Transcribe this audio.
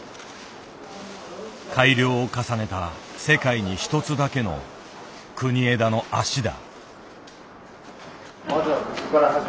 改良を重ねた世界に一つだけの国枝の「脚」だ。